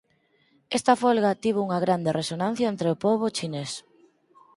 Esta folga tivo unha grande resonancia entre o pobo chinés.